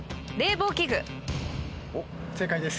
正解です。